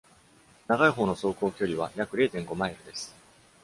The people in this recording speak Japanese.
長い方の走行距離は約零点五マイルです。